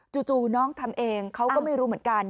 จู่น้องทำเองเขาก็ไม่รู้เหมือนกัน